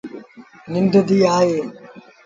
ننڊ ڌيٚ آئي۔ ا